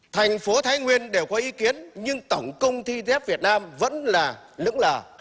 thành phố thái nguyên đều có ý kiến nhưng tổng công thi thép việt nam vẫn là lưỡng lờ